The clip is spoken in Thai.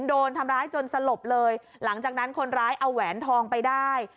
โดนทำร้ายจนสลบเลยหลังจากนั้นคนร้ายเอาแหวนทองไปได้